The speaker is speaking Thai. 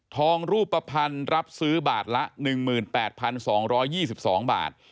ทองรูปภัณฑ์รับสืบบาทละ๑๘๒๒๒บาท